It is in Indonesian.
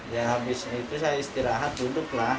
ya habis itu saya istirahat duduk lah